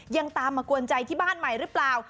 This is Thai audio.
ยังตามมากวนใจที่บ้านใหม่หรือเปล่า